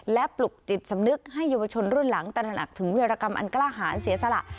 และปลุกจิตสำนึกให้เยาวชนรุ่นหลังตระหนักถึงวิรกรรมอันกล้าหารเสียสละ